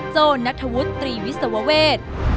โจ้นัทธวุฒิตรีวิศวเวศ